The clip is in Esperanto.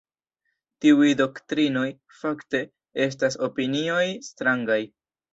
Tiuj doktrinoj, fakte, estas opinioj strangaj”.